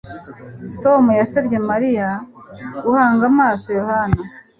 Tom yasabye Mariya guhanga amaso Yohana